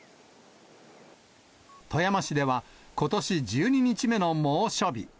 富山市ではことし１２日目の猛暑日。